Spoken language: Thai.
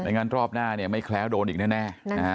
ดังนั้นรอบหน้าไม่แคล้โดนอีกแน่